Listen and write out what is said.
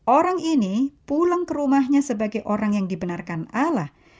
orang ini pulang ke rumahnya sebagai orang yang dibenarkan allah